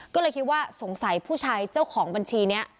ก็เลยคิดว่าสงสัยผู้ชายเจ้าของบัญชีนี้